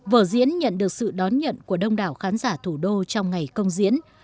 vở diễn nhận được sự đón nhận của đông đảo khán giả thủ đô trong ngày công diễn